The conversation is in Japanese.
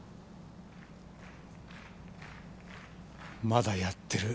まだやってる。